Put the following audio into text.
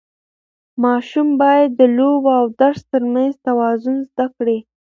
ماشوم باید د لوبو او درس ترمنځ توازن زده کړي.